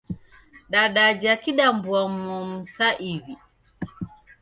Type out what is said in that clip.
Dadajha kidambua-momu saa iw'i.